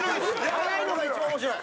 速いのが一番面白い。